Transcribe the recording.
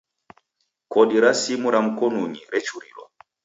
Kodi ra simu ra mkonunyi rechurilwa.